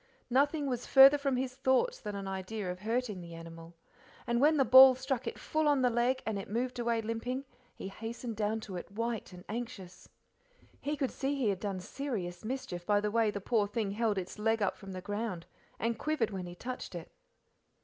Nothing was further from his thoughts than an idea of hurting the animal, and when the ball struck it full on the leg, and it moved away limping, he hastened down to it, white and anxious. He could see he had done serious mischief by the way the poor thing held its leg up from the ground and quivered when he touched it.